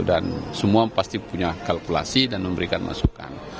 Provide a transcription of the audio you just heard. dan semua pasti punya kalkulasi dan memberikan masukan